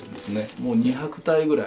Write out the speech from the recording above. もう２００体ぐらい。